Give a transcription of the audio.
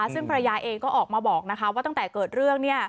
ซึ่งภรรยาเองก็ออกมาบอกว่าตั้งแต่เกิดเรื่อง